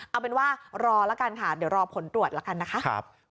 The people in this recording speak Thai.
เอาเป็นว่ารอแล้วกันค่ะเดี๋ยวรอผลตรวจละกันนะคะ